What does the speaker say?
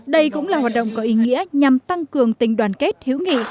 đây cũng là hoạt động có ý nghĩa nhằm tăng cường tình đoàn kết hữu nghị